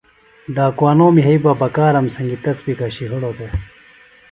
ڈاکوانوم یھئی بکرام سنگیۡ تس گھشیۡ ہڑوۡ دےۡ